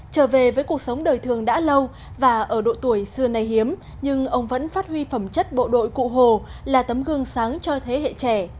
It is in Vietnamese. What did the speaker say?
trở về với cuộc sống đời thường đã lâu và ở độ tuổi xưa nay hiếm nhưng ông vẫn phát huy phẩm chất bộ đội cụ hồ là tấm gương sáng cho thế hệ trẻ